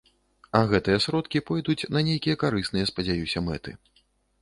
А гэтыя сродкі пойдуць на нейкія карысныя, спадзяюся, мэты.